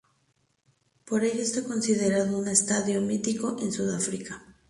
Por ello está considerado un estadio mítico en Sudáfrica.